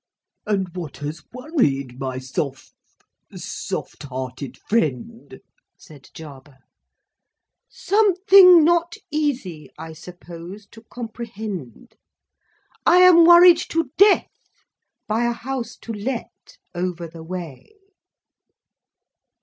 "And what has worried my Soph , soft hearted friend," said Jarber. "Something not easy, I suppose, to comprehend. I am worried to death by a House to Let, over the way."